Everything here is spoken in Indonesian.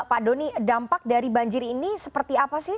pak doni dampak dari banjir ini seperti apa sih